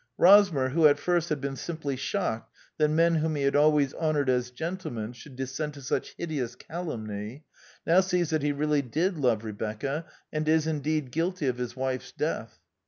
Rosmer, who at first had been simply shocked that men whom he had always honored as gentlemen should descend to such hideous calumny, now sees that he really did love Re becca, and is indeed guilty of his wife's death.